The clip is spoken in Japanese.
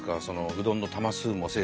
うどんの玉数も。